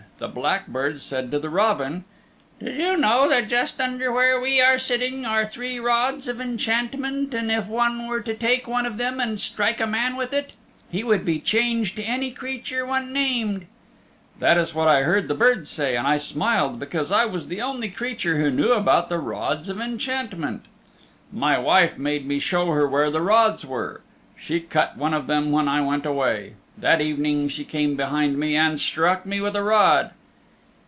The blackbird said to the robin, 'Do you know that just under where we are sitting are three rods of enchantment, and if one were to take one of them and strike a man with it, he would be changed to any creature one named?' That is what I had heard the birds say and I smiled because I was the only creature who knew about the rods of enchantment. "My wife made me show her where the rods were. She cut one of them when I went away. That evening she came behind me and struck me with a rod.